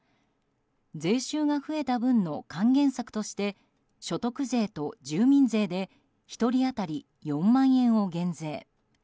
税収が増えた分の還元策として所得税と住民税で１人当たり４万円を減税。